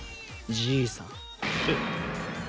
じいさん。